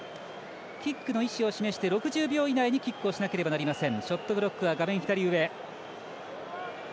キックの意思を示して６０秒以内にキックをしなければいけません。